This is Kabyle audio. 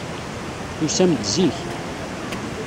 Tusam-d zik.